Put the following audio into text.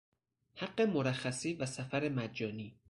حق مرخصی و سفر مجانی